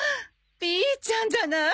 ピーちゃんじゃない！